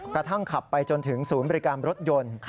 กระทั่งขับไปจนถึงศูนย์บริการรถยนต์